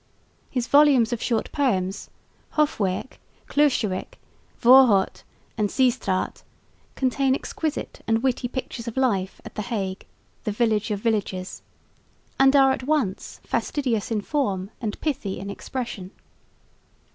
His volumes of short poems Hofwijck, Cluijswerck, Voorhout and Zeestraet contain exquisite and witty pictures of life at the Hague "the village of villages" and are at once fastidious in form and pithy in expression.